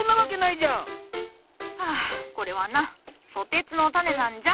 はあこれはな蘇鉄のタネなんじゃ。